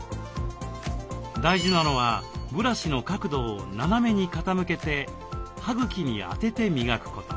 大事なのはブラシの角度を斜めに傾けて歯茎に当てて磨くこと。